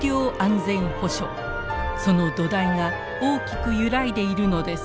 その土台が大きく揺らいでいるのです。